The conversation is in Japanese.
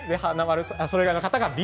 それ以外の方がＢ。